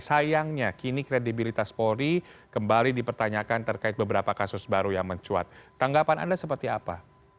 sayangnya kini kredibilitas polri kembali dipertanyakan terkait beberapa kasus baru yang mencuat tanggapan anda seperti apa